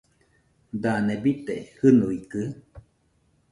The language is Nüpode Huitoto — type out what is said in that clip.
Dane bite jɨnuikɨ?